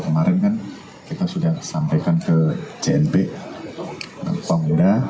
kemarin kan kita sudah sampaikan ke jnp pemuda